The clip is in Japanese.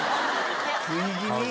食い気味！